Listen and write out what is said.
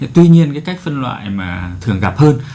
tuy nhiên cái cách phân loại mà thường gặp hơn